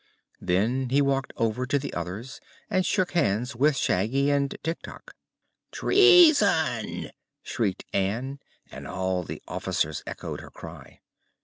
Then he walked over to the others and shook hands with Shaggy and Tik Tok. "Treason!" shrieked Ann, and all the officers echoed her cry.